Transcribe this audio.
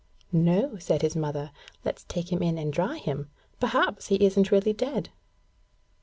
'No,' said his mother; 'let's take him in and dry him. Perhaps he isn't really dead.'